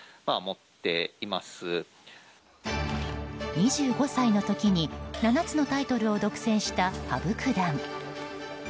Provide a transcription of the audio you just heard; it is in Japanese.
２５歳の時に７つのタイトルを独占した羽生九段。